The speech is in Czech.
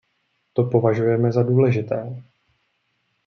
To považujeme za důležité.